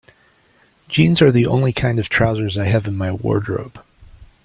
Jeans are the only kind of trousers I have in my wardrobe.